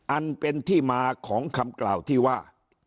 อันเป็นที่มาของคำกล่าวที่ว่า